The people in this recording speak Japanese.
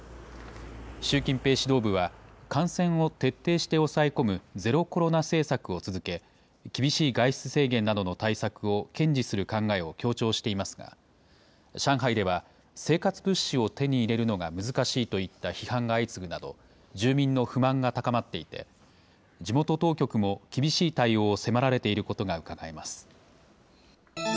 習近平指導部は、感染を徹底して抑え込むゼロコロナ政策を続け、厳しい外出制限などの対策を堅持する考えを強調していますが、上海では生活物資を手に入れるのが難しいといった批判が相次ぐなど、住民の不満が高まっていて、地元当局も厳しい対応を迫られていることがうかがえます。